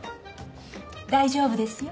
大丈夫ですよ。